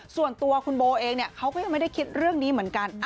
ส่วนตัวคุณโบเองเขาก็ยังไม่ได้คิดเรื่องนี้เหมือนกัน